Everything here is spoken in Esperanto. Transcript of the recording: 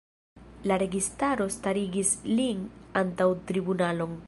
La registaro starigis lin antaŭ tribunalon.